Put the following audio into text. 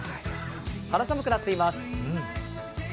肌寒くなっています。